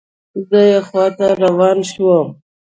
زه یې خواته روان شوم.